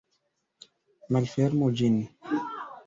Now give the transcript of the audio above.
Malfermu ĝin.